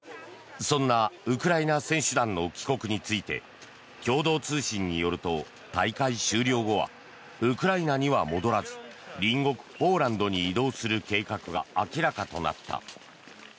そんなウクライナ選手団の帰国について共同通信によると大会終了後はウクライナには戻らず隣国ポーランドに移動する計画が明らかとなった。